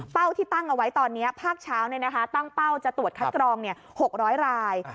ที่ตั้งเอาไว้ตอนนี้ภาคเช้าตั้งเป้าจะตรวจคัดกรอง๖๐๐ราย